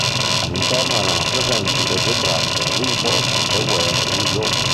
All'interno erano presenti le due tracce "Reborn" e "Where we go".